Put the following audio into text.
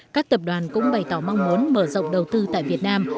các tập đoàn cũng bày tỏ mong muốn mở rộng đầu tư tại việt nam